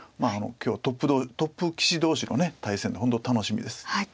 今日トップ棋士同士の対戦で本当に楽しみです。